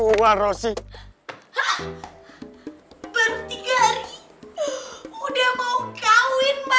hah ber tiga hari udah mau kawin emak